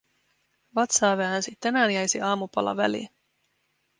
Vatsaa väänsi, tänään jäisi aamupala väliin.